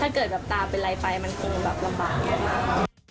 ถ้าเกิดตาเป็นไรไปมันคงลำบากมาก